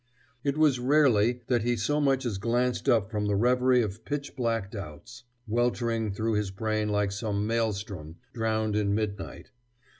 It was rarely that he so much as glanced up from the reverie of pitch black doubts weltering through his brain like some maelstrom drowned in midnight.